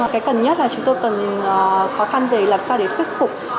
cái cần nhất là chúng tôi cần khó khăn để làm sao để thuyết phục